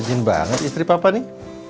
izin banget istri papa nih